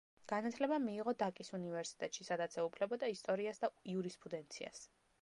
განათლება მიიღო დაკის უნივერსიტეტში, სადაც ეუფლებოდა ისტორიას და იურისპრუდენციას.